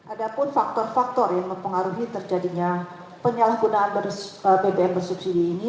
ada pun faktor faktor yang mempengaruhi terjadinya penyalahgunaan bbm bersubsidi ini